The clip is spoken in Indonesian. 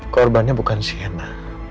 korbannya bukan sienna